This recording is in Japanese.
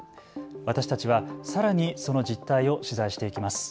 私たちはさらにその実態を取材していきます。